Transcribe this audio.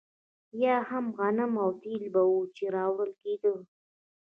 یا هم غنم او تېل به وو چې راوړل کېدل.